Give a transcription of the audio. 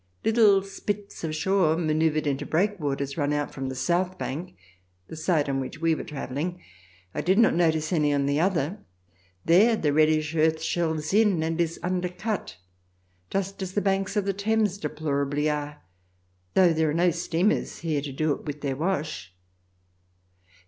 Little spits of shore, manoeuvred into breakwaters, run out from the south bank, the side on which we were travelling. I did not notice any on the other. There the reddish earth shelves in and is un(dercut, just as the banks of the Thames deplorably are, though there are no steamers here to do it with their wash.